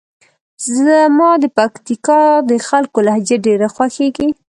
زما د پکتیکا د خلکو لهجه ډېره خوښیږي.